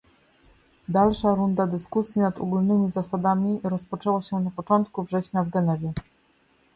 Dalsza runda dyskusji nad ogólnymi zasadami rozpoczęła się na początku września w Genewie